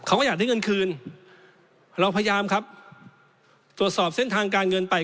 เขาก็อยากได้เงินคืนเราพยายามครับตรวจสอบเส้นทางการเงินไป